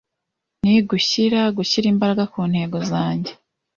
ni gushyira gushyira imbaraga ku ntego zange.